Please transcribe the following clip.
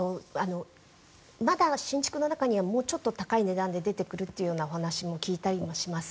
まだ新築の中にはもうちょっと高い値段で出てくるという話も聞いたりもします。